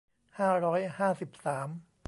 ห้าร้อยห้าสิบสาม